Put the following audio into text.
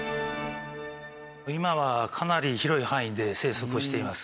今はかなり広い範囲で生息しています。